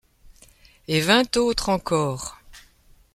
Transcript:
Et vingt autres encore !